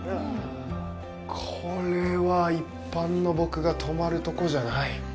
これは一般の僕が泊まるとこじゃない。